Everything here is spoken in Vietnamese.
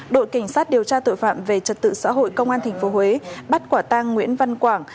đội cảnh sát điều tra tội phạm về trật tự xã hội công an tp huế bắt quả tang nguyễn văn quảng